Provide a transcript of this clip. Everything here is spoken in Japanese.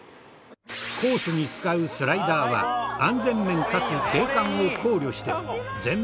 コースに使うスライダーは安全面かつ景観を考慮して全面透明の筒型に。